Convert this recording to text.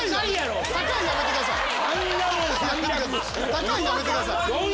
高いやめてください。